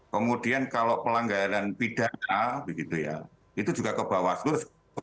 kemudian kalau pelanggaran pidana begitu ya itu juga ke bawaslu